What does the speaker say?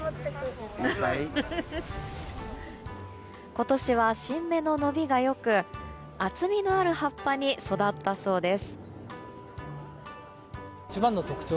今年は新芽の伸びが良く厚みのある葉っぱに育ったそうです。